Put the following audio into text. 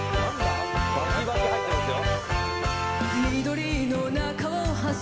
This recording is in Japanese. バキバキ入ってますよ。